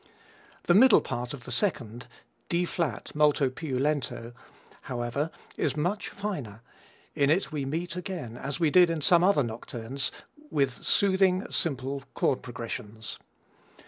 The middle part of the second D flat, molto piu lento however, is much finer; in it we meet again, as we did in some other nocturnes, with soothing, simple chord progressions.